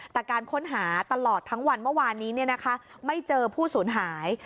แต่การค้นหาตลอดทั้งวันเมื่อวานนี้ไม่เจอผู้สูญหาย